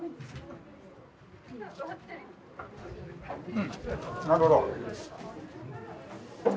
うんなるほど。